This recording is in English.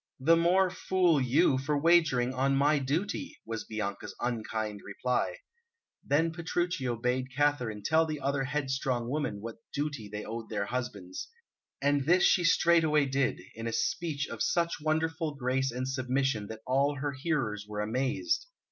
"The more fool you, for wagering on my duty!" was Bianca's unkind reply. Then Petruchio bade Katharine tell the other headstrong women what duty they owed their husbands. And this she straightway did, in a speech of such wonderful grace and submission that all her hearers were amazed.